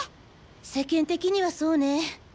世間的にはそうね